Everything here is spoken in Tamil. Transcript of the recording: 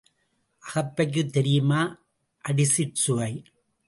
அகப்பைக்குத் தெரியுமா அடிசிற் சுவை?